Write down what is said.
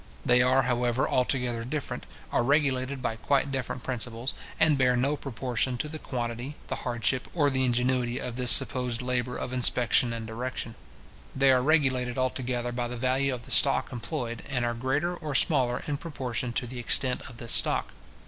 They are, however, altogether different, are regulated by quite different principles, and bear no proportion to the quantity, the hardship, or the ingenuity of this supposed labour of inspection and direction. They are regulated altogether by the value of the stock employed, and are greater or smaller in proportion to the extent of this stock.